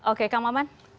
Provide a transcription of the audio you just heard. oke kang maman